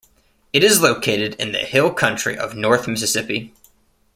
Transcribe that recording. It is located in the hill country of north Mississippi.